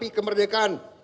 itu membakar kestiaan kita